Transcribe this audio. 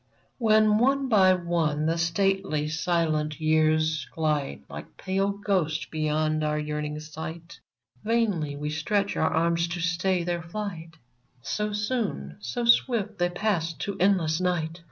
When, one by one, the stately, silent Years Glide like pale ghosts beyond our yearning sight, Vainly we stretch our arms to stay their flight, So soon, so swift they pass to endless night